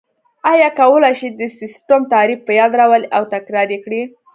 آیا کولای شئ د سیسټم تعریف په یاد راولئ او تکرار یې کړئ؟